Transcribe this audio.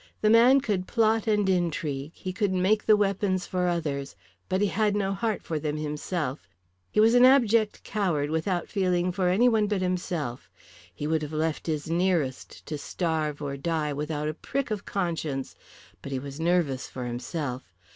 The man could plot and intrigue, he could make the weapons for others, but he had no heart for them himself. He was an abject coward without feeling for anyone but himself. He would have left his nearest to starve or die without a prick of conscience, but he was nervous for himself.